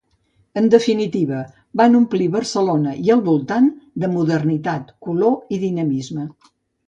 En definitiva, van omplir Barcelona i el voltant de modernitat, color i dinamisme.